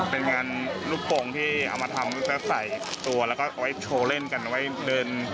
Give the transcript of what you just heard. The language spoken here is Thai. เป็นงานลูกโปรงที่เอามาทำใส่ตัวแล้วก็เอาไว้โชว์เล่นกันไว้เดิน